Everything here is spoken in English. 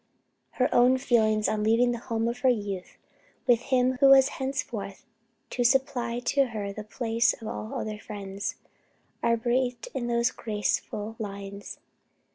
Her own feelings on leaving the home of her youth with him who was henceforth to supply to her the place of all other friends, are breathed in these graceful lines.